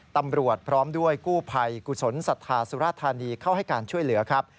ตำรวจพร้อมด้วยกู้ภัยกุศลศรัทธาสุรธานีเข้าให้การช่วยเหลือครับ